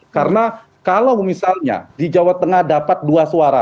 karena kalau misalnya di jawa tengah dapat dua suara